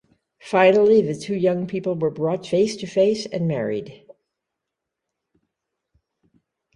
Finally the two young people were brought face to face and married.